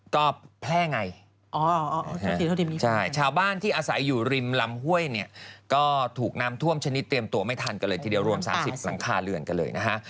ก็แพร่ไงชาวบ้านที่อาศัยอยู่ริมลำห้วยเนี่ยก็ถูกน้ำท่วมชนิดเตรียมตัวไม่ทันกันเลยทีเดียวรวม๓๐หลังคาเรือนกันเลยนะฮะ